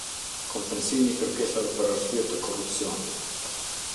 Kompensimi i kërkesave për arsye të korrupsionit.